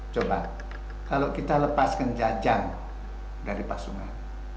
coba kalau kita lepaskan jajan dari pasungan